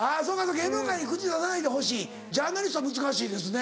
芸能界に口出さないでほしいジャーナリストは難しいですね。